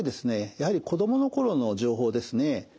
やはり子どもの頃の情報ですね